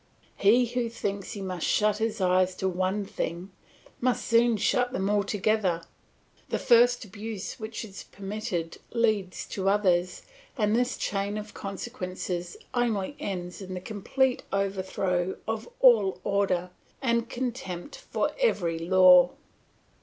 He who thinks he must shut his eyes to one thing, must soon shut them altogether; the first abuse which is permitted leads to others, and this chain of consequences only ends in the complete overthrow of all order and contempt for every law.